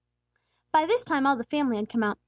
By this time all the family had come out.